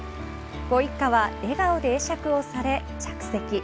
ご一家は笑顔で会釈をされ着席。